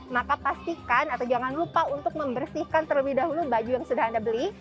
maka pastikan atau jangan lupa untuk membersihkan terlebih dahulu baju yang sudah anda beli